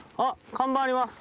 看板あります。